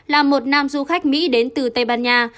là một nam du khách mỹ đến từ tây ban nha